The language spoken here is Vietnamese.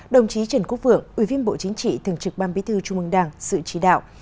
đồng chí trần quốc vượng ủy viên bộ chính trị thường trực ban bí thư trung ương đảng sự chỉ đạo